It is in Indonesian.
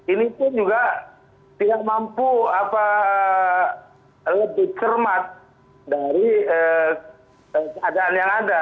ini pun juga tidak mampu lebih cermat dari keadaan yang ada